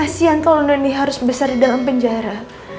kasian kalau noni harus besar di dalam penjara